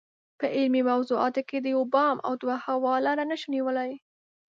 په علمي موضوعاتو کې د یو بام او دوه هوا لاره نشو نیولای.